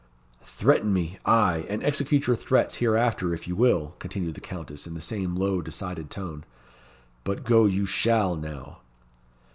"Threaten me ay, and execute your threats hereafter if you will," continued the Countess in the same low decided tone, "but go you shall now."